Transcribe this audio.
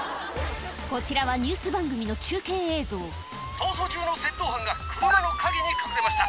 こちらはニュース番組の中継映像「逃走中の窃盗犯が車の陰に隠れました」